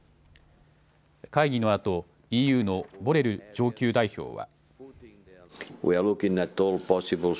会議のあと、ＥＵのボレル上級代表は。